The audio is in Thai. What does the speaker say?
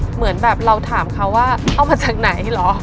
เหมือนเป็นวุ้นเองอะว่าเว้ย